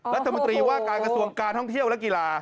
รัฐมนตรีว่าการกระทรวงการท่องเที่ยวและกีฬา